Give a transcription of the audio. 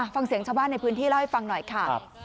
ฟังเสียงชาวบ้านในพื้นที่เล่าให้ฟังหน่อยค่ะ